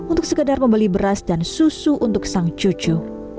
untuk sekedar membeli beras dan susu untuk sang cucu